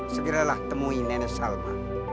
segeralah temui nenek salma